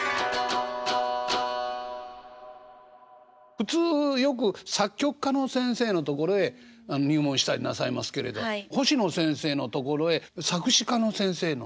普通よく作曲家の先生のところへ入門したりなさいますけれど星野先生のところへ作詞家の先生の。